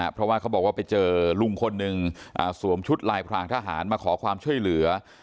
เพราะว่าเขาบอกว่าไปเจอลุงคนหนึ่งสวมชุดลายพรางทหารมาขอความช่วยเหลือ